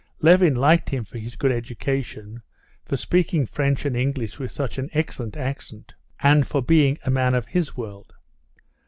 Levin liked him for his good education, for speaking French and English with such an excellent accent, and for being a man of his world.